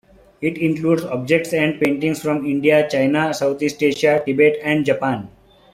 It includes objects and paintings from India, China, Southeast Asia, Tibet and Japan.